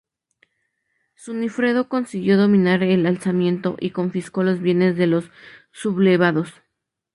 Sunifredo consiguió dominar el alzamiento y confiscó los bienes de los sublevados.